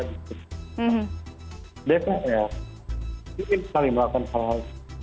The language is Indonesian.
ini sekali melakukan hal hal